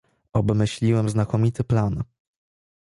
"„Obmyśliłem znakomity plan."